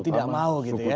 oh tidak mau gitu ya